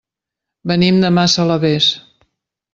Venim de Massalavés.